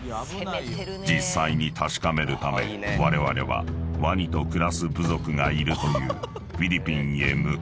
［実際に確かめるためわれわれはワニと暮らす部族がいるというフィリピンへ向かった］